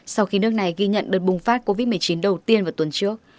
sau khi nước này ghi nhận đợt bùng phát covid một mươi chín đầu tiên vào tuần trước